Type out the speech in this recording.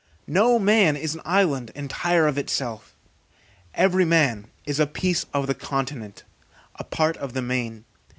No man is an island, entire of itself; every man is a piece of the continent, a part of the main.